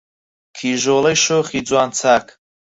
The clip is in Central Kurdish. کیژۆڵەی شۆخی جوان چاک